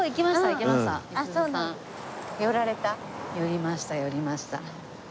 寄りました寄りました。